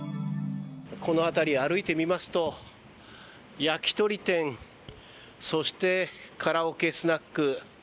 この辺り、歩いてみますと焼き鳥店そしてカラオケスナック。